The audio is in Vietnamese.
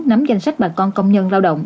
nắm danh sách bà con công nhân lao động